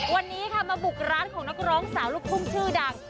วันนี้ค่ะมาบุกร้านของนักร้องสาวลูกทุ่งชื่อดัง